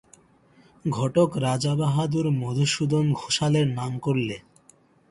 ঘটক রাজাবাহাদুর মধুসূদন ঘোষালের নাম করলে।